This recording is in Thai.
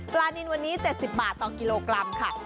นินวันนี้๗๐บาทต่อกิโลกรัมค่ะ